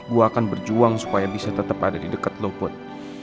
gua akan berjuang supaya bisa tetep ada di deket lo put